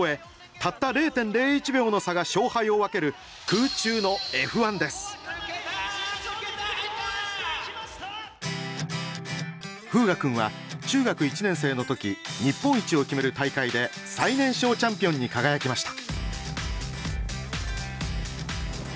たった０．０１秒の差が勝敗を分ける風雅君は中学１年生の時日本一を決める大会で最年少チャンピオンに輝きました。